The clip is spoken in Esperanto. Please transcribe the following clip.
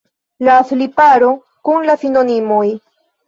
La sliparo kun la sinonimoj.